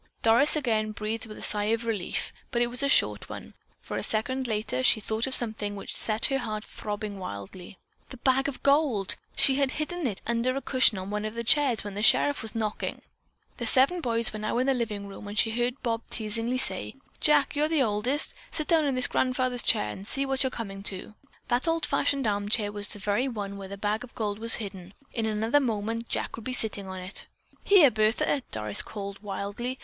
Doris again breathed a sigh of relief, but it was a short one, for, a second later, she thought of something which set her heart to throbbing wildly. The bag of gold! She had hidden it under a cushion on one of the chairs when the sheriff was knocking. The seven boys were now in the living room and she heard Bob teasingly say: "Jack, you're the oldest. Sit down in this grandfather's chair and see what you're coming to." That old fashioned armchair was the very one where the bag of gold was hidden. In another moment Jack would be sitting on it. "Here, Bertha!" Doris called wildly.